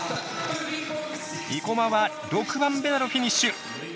生馬は６番目でのフィニッシュ。